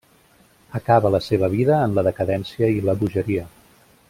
Acaba la seva vida en la decadència i la bogeria.